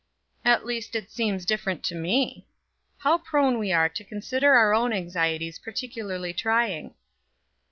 At least it seems different to me. How prone we are to consider our own anxieties peculiarly trying."